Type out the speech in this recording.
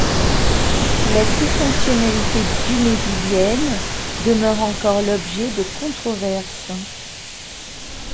La trifonctionnalité dumézilienne demeure encore l'objet de controverses.